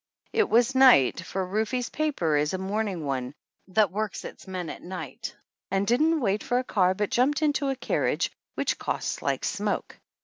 It was night, for Rufe's paper is a morning one that works its men at night, and didn't wait for a car, but jumped into a carriage, which costs like smoke.